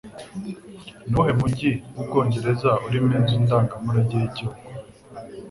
Nuwuhe mujyi mubwongereza urimo inzu ndangamurage yigihugu